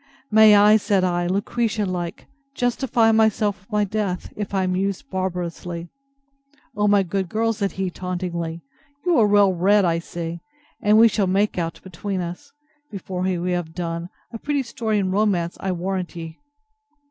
May I, said I, Lucretia like, justify myself with my death, if I am used barbarously! O my good girl! said he, tauntingly, you are well read, I see; and we shall make out between us, before we have done, a pretty story in romance, I warrant ye.